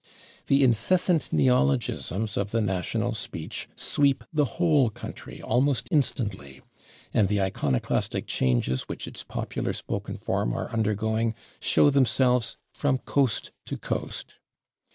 The incessant neologisms of the national speech sweep the whole country almost instantly, and the iconoclastic changes which its popular spoken form are undergoing show themselves from coast to coast.